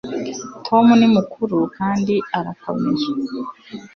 tom ni mukuru kandi arakomeye